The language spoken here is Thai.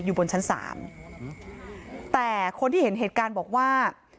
บนชั้นสามแต่คนที่เห็นเหตุการณ์บอกว่า